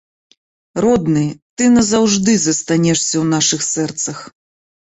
Родны, ты назаўжды застанешся ў нашых сэрцах.